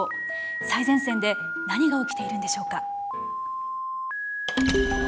最前線で何が起きているのでしょうか。